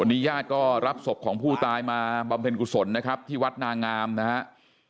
วันนี้ญาติก็รับศพของผู้ตายมาบำเพ็ญกุศลนะครับที่วัดนางามนะครับ